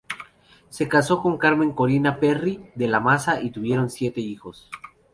Se casó con Carmen Corina Perry de la Maza y tuvieron siete hijos.